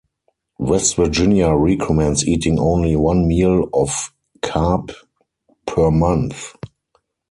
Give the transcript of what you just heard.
West Virginia recommends eating only one meal of carp per month.